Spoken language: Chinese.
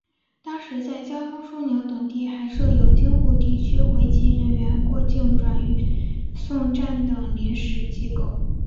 当时在交通枢纽等地还设有京沪地区回籍人员过境转送站等临时机构。